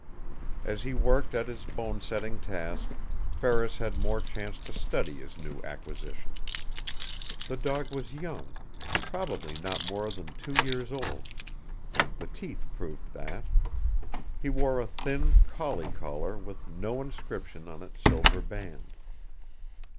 As he worked at his bonesetting task, Ferris had more chance to study his new acquisition. The dog was young probably not more than two years old. The teeth proved that. He wore a thin collie collar with no inscription on its silver band.